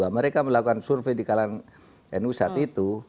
mereka melakukan survei di kalangan nu saat itu